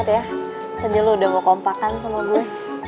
rin thank you banget ya tadi lo udah mau kompakan sama gue